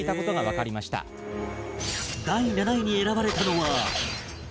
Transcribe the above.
第７位に選ばれたのは